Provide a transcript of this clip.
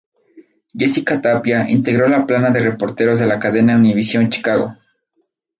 Jessica Tapia integró la plana de reporteros de la cadena Univisión Chicago.